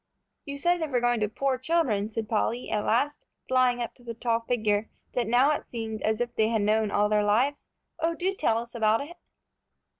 "You said they were going to poor children," said Polly, at last, flying up to the tall figure that now it seemed as if they had known all their lives. "Oh, do tell us about it."